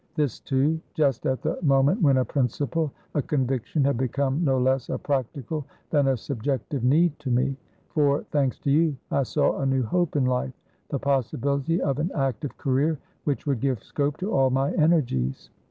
This, too, just at the moment when a principle, a conviction, had become no less a practical than a subjective need to me; forthanks to youI saw a new hope in life, the possibility of an active career which would give scope to all my energies.